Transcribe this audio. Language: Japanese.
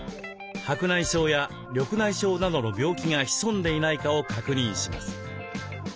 白内障や緑内障などの病気が潜んでいないかを確認します。